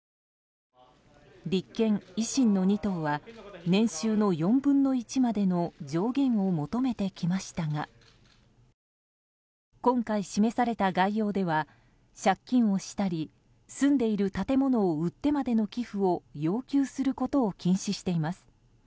立憲・維新の２党は年収の４分の１までの上限を求めてきましたが今回示された概要では借金をしたり住んでいる建物を売ってまでの寄付を要求することを禁止しています。